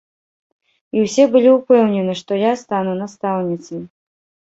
І ўсе былі ўпэўнены, што я стану настаўніцай.